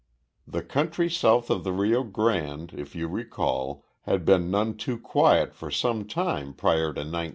The country south of the Rio Grande, if you recall, had been none too quiet for some time prior to 1914.